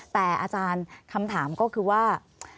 แต่อาจารย์คำถามก็คือว่า